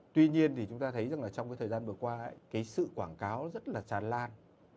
tuy nhiên thì chúng ta thấy trong thời gian vừa qua sự quảng cáo rất là tràn lan